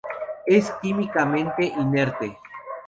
Es químicamente inerte.